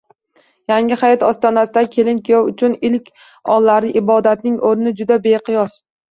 Yangi hayot ostonasidagi kelin-kuyov uchun ilk onlardagi ibodatning o‘rni juda beqiyos.